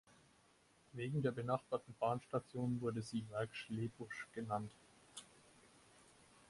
Wegen der benachbarten Bahnstation wurde sie Werk Schlebusch genannt.